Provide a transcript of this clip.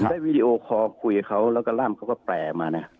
ผมได้วีดีโอคอล์คุยกับเขาแล้วก็ร่ามเขาก็แปลมาเนี่ย